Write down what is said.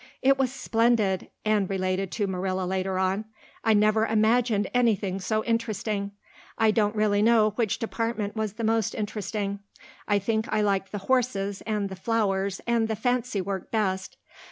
"It was splendid," Anne related to Marilla later on. "I never imagined anything so interesting. I don't really know which department was the most interesting. I think I liked the horses and the flowers and the fancywork best.